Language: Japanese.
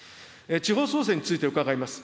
地方創生について伺います。